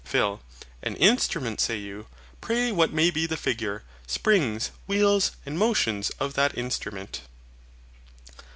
PHIL. An instrument say you; pray what may be the figure, springs, wheels, and motions, of that instrument?